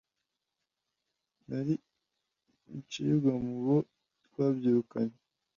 Nari incibwa mu bo twabyirukanye